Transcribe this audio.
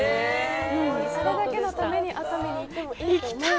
それだけのために熱海に行ってもいいと思うぐらい。